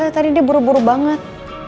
tadi dia buru buru banget